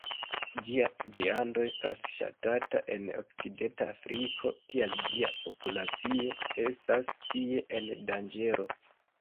Ĝia viando estas ŝatata en okcidenta Afriko, tial ĝia populacio estas tie en danĝero.